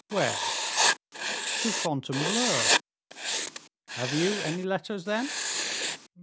"Where?" "To Fontainebleau." "Have you any letters, then?"